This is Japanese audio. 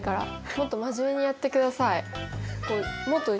もっとまじめにやってください。